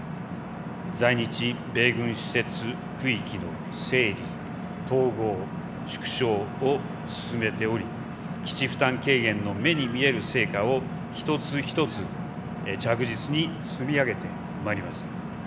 在日米軍施設・区域の整理・統合・縮小を進めており基地負担軽減の目に見える成果を一つ一つ、着実に積み上げてまいります。